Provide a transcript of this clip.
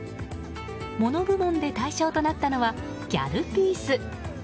モノ部門で大賞となったのはギャルピース。